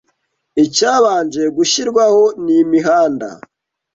icyabanje gushyirwaho ni imihanda